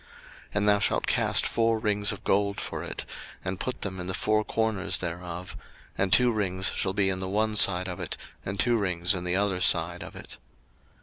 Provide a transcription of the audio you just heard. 02:025:012 And thou shalt cast four rings of gold for it, and put them in the four corners thereof; and two rings shall be in the one side of it, and two rings in the other side of it.